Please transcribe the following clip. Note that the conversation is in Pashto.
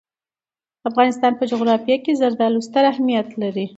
د افغانستان په جغرافیه کې زردالو ستر اهمیت لري.